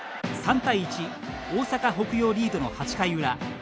３対１大阪・北陽リードの８回裏。